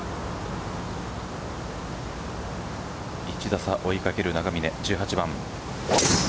１打差を追いかける永峰１８番。